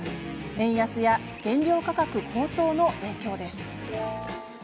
円安や原料価格高騰の影響です。